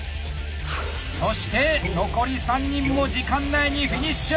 そして残り３人も時間内にフィニッシュ！